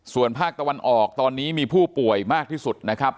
ส่วนภาคตะวันออกตอนนี้มีผู้ป่วยมากที่สุดนะครับ